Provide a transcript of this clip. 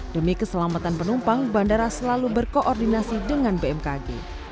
demi keselamatan penumpang bandara selalu berkoordinasi dengan bmkg